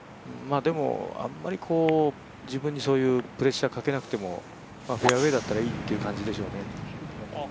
でも、あんまり自分にそういうプレッシャーかけなくてもフェアウエーだったらいいという感じでしょうね。